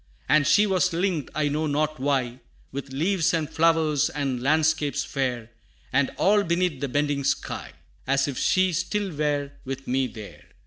And she was linked, I know not why, With leaves and flowers, and landscapes fair And all beneath the bending sky, As if she still were with me there.